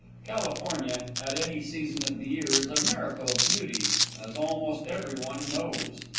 California, at any season of the year, is a miracle of beauty, as almost every one knows.